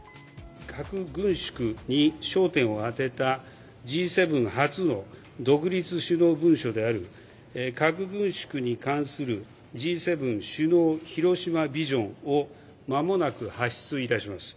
核軍縮に焦点を当てたＧ７初の独立首脳文書である、核軍縮に関するＧ７首脳広島ビジョンをまもなく発出いたします。